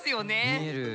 見える。